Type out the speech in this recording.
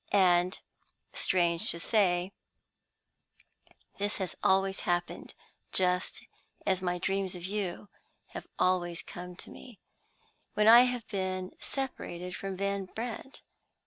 And, strange to say, this has always happened (just as my dreams of you have always come to me) when I have been separated from Van Brandt.